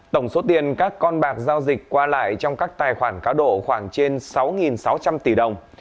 tổng số tiền các con bạc giao dịch qua lại trong các tài khoản cáo độ khoảng trên sáu sáu trăm linh tỷ đồng